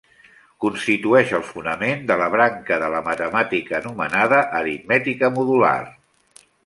Constitueix el fonament de la branca de la matemàtica anomenada aritmètica modular.